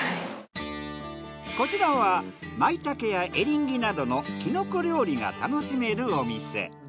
こちらはまいたけやエリンギなどのキノコ料理が楽しめるお店。